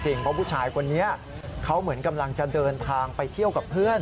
เพราะผู้ชายคนนี้เขาเหมือนกำลังจะเดินทางไปเที่ยวกับเพื่อน